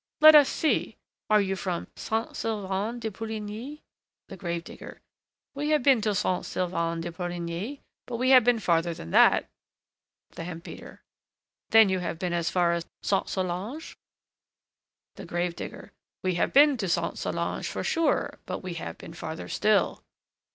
Let us see: are you from Saint Sylvain de Pouligny? THE GRAVE DIGGER. We have been to Saint Sylvain de Pouligny, but we have been farther than that. THE HEMP BEATER. Then you have been as far as Sainte Solange? THE GRAVE DIGGER. We have been to Sainte Solange, for sure; but we have been farther still.